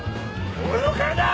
俺の金だぁ！！